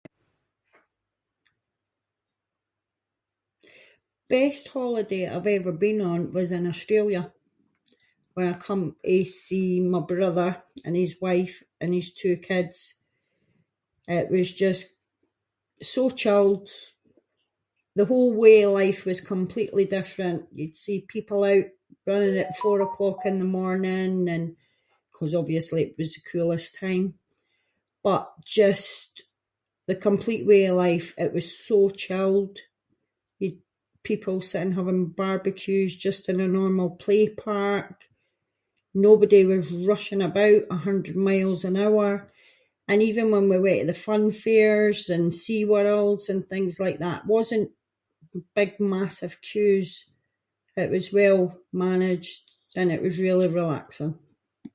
Best holiday I’ve ever been on was in Australia when I come to see my brother and his wife and his two kids, it was just so chilled, the whole way of life was completely different, you’d see people out running at four o’clock in the morning, and ‘cause obviously it was the coolest time, but just the complete way of life, it was so chilled. Y- People sitting having barbecues just in a normal play park, nobody was rushing about a hundred miles an hour, and even when we went to the fun fairs and SeaWorlds and things like that- wasn’t big, massive queues. It was well managed, and it was really relaxing.